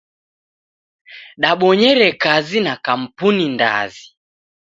Dabonyere kazi na kampuni ndazi.